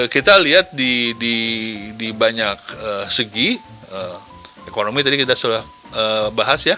kita lihat di banyak segi ekonomi tadi kita sudah bahas ya